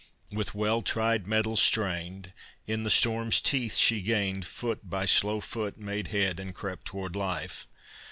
With well tried metals strained, In the storm's teeth she gained, Foot by slow foot made head, and crept toward life.